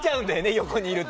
横にいると。